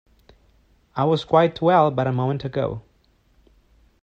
I was quite well but a moment ago.